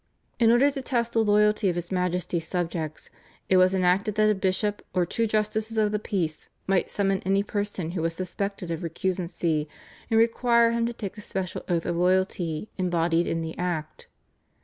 In order to test the loyalty of his Majesty's subjects it was enacted that a bishop or two justices of the peace might summon any person who was suspected of recusancy, and require him to take a special oath of loyalty embodied in the Act.